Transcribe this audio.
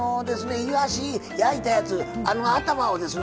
いわし焼いたやつあの頭をですね